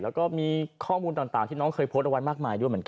และมีข้อมูลต่างที่น้องเคยโพสเอาไว้มากมายด้วย